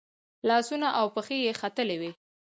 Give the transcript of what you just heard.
لاسونه او پښې یې ختلي وي.